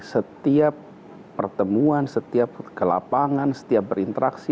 setiap pertemuan setiap kelapangan setiap berinteraksi